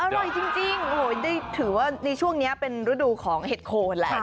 อร่อยจริงถือว่าในช่วงนี้เป็นฤดูของเห็ดโคนแล้ว